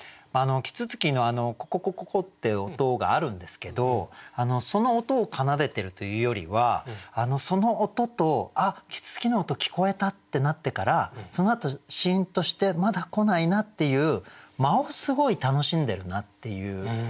啄木鳥のコココココって音があるんですけどその音を奏でてるというよりはその音と「あっ啄木鳥の音聞こえた」ってなってからそのあとシーンとしてまだ来ないなっていう間をすごい楽しんでるなっていう我々がなんですけど。